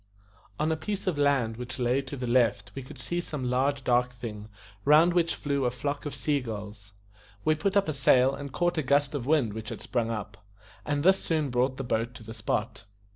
On a piece of land which lay to the left we could see some large dark thing, round which flew a flock of sea gulls. We put up a sail and caught a gust of wind which had sprung up, and this soon brought the boat to the spot.